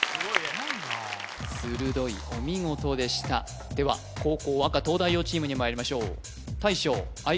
するどいお見事でしたでは後攻赤東大王チームにまいりましょう大将